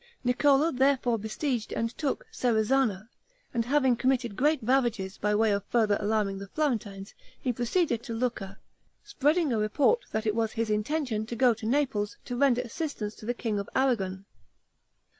Niccolo therefore besieged and took Serezana, and having committed great ravages, by way of further alarming the Florentines he proceeded to Lucca, spreading a report that it was his intention to go to Naples to render assistance to the king of Aragon.